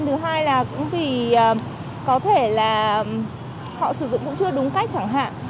thứ hai là cũng vì có thể là họ sử dụng cũng chưa đúng cách chẳng hạn